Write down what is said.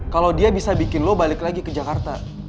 kalau dia bisa bikin lo balik lagi ke jakarta